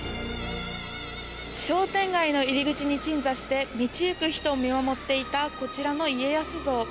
商店街の入り口に鎮座して道行く人を見守っていたこちらの家康像。